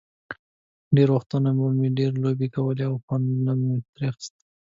ډېری وختونه به مې پرې لوبې کولې او خوند مې ترې اخیست.